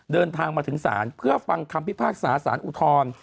เดินทางมาถึงศาลเพื่อฟังคำพิพากษาสารอุทธร